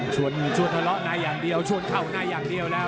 ชวนหล่อหน้าอย่างเดียวชวนเข้าหน้าอย่างเดียวแล้ว